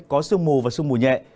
có sương mù và sương mù nhẹ